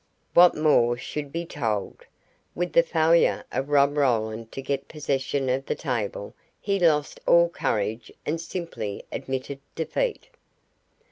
What more should be told? With the failure of Rob Roland to get possession of the table he lost all courage and simply admitted defeat.